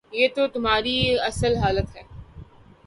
یہ تو ہماری اصل حالت ہے۔